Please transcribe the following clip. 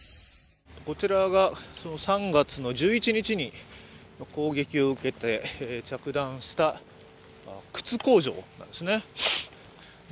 こちらがその３月の１１日に攻撃を受けて着弾した靴工場なんですね。